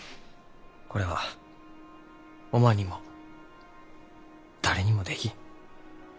これはおまんにも誰にもできん。